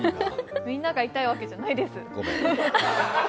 みんなが痛いわけじゃないです。